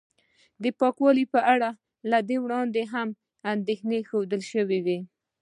د پاکوالي په اړه له دې وړاندې هم اندېښنې ښودل شوې وې